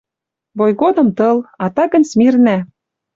Бой годым — тыл, а так гӹнь смирнӓ.